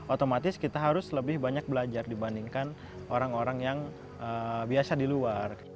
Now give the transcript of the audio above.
otomatis kita harus lebih banyak belajar dibandingkan orang orang yang biasa di luar